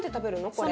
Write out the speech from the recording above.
これ。